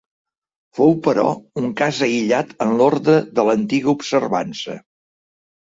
Fou, però, un cas aïllat en l'orde de l'antiga observança.